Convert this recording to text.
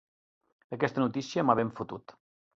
Aquesta notícia m'ha ben fotut.